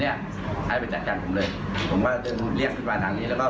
เพื่อนได้สังเกตเห็นปืนหลายตระบอก